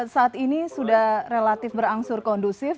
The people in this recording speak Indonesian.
saat ini sudah relatif berangsur kondusif